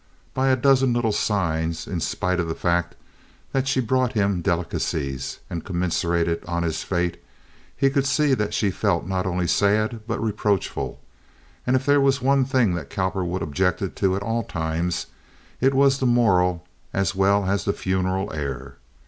By a dozen little signs, in spite of the fact that she brought him delicacies, and commiserated on his fate, he could see that she felt not only sad, but reproachful, and if there was one thing that Cowperwood objected to at all times it was the moral as well as the funereal air.